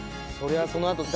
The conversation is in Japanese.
そりゃあ